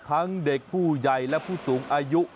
ทั้งเด็กผู้ใหญ่และผู้สูงอายุ